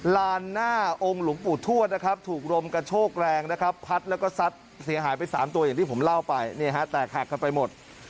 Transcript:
อย่างที่ผมเล่าไปนี่ฮะแตกหักกันไปหมด